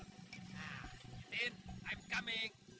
nah ikutin aku datang